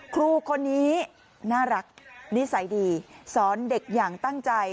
ครูคนนี้น่ารักนิสัยดีสอนเด็กอย่างตั้งใจ